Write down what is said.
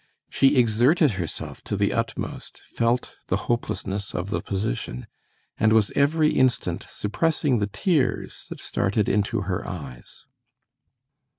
She exerted herself to the utmost, felt the hopelessness of the position, and was every instant suppressing the tears that started into her eyes.